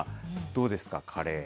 どうですか、カレー。